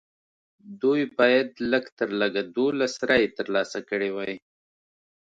دوی باید لږ تر لږه دولس رایې ترلاسه کړې وای.